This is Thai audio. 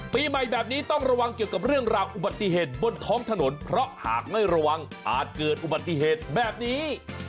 ปีใหม่แบบนี้ต้องระวังเกี่ยวกับเรื่องราวอุบัติเหตุบนท้องถนนเพราะหากไม่ระวังอาจเกิดอุบัติเหตุแบบนี้